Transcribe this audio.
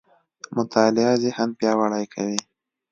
مطالعه ذهن پياوړی کوي.